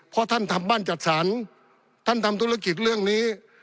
เพราะท่านทำบ้านจัดสรรท่านทำธุรกิจเรื่องนี้